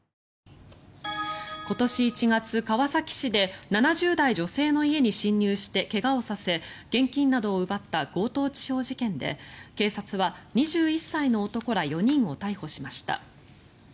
今年１月、川崎市で７０代女性の家に侵入して怪我をさせ、現金などを奪った強盗致傷事件で警察は２１歳の男ら４人を逮捕しました。